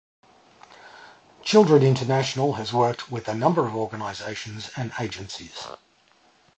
Children International has worked with a number of organizations and agencies.